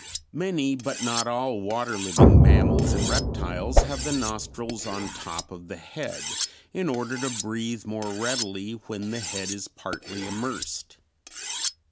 Many, but not all, water living mammals and reptiles have the nostrils on top of the head, in order to breathe more readily when the head is partly immersed.